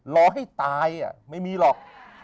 รอให้ตายไม่มีหรอก